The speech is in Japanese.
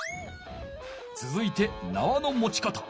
つづいてなわの持ち方。